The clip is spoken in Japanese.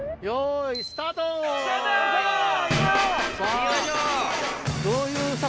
いきましょう。